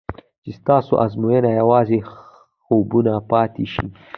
چې ستاسو ارمانونه یوازې خوبونه پاتې شي.